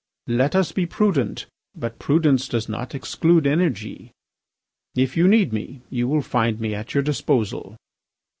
Let us be prudent. But prudence does not exclude energy. If you need me you will find me at your disposal."